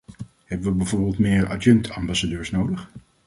Hebben we bijvoorbeeld meer adjunct-ambassadeurs nodig?